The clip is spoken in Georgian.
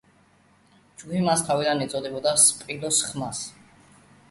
ჯგუფი მას თავად უწოდებდა სპილოს ხმას.